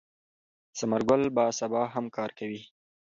ثمر ګل به سبا هم کار کوي.